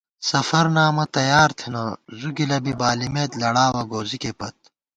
سفرنامہ تیار تھنہ زُو گِلہ بی بالِمېت لڑاوَہ گوزِکےپت